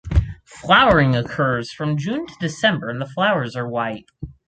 Flowering occurs from June to December and the flowers are white.